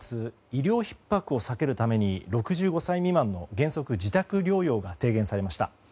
医療ひっ迫を避けるために６５歳未満の原則自宅療養が提言されました。